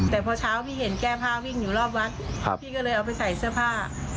แต่พอเช้าพี่เห็นแก้ผ้าวิ่งอยู่รอบวัดพี่ก็เลยเอาไปใส่เสื้อผ้า